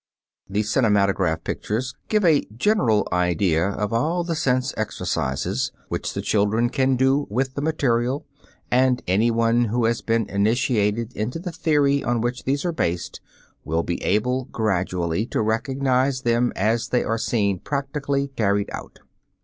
The cinematograph pictures give a general idea of all the sense exercises which the children can do with the material, and any one who has been initiated into the theory on which these are based will be able gradually to recognize them as they are seen practically carried out.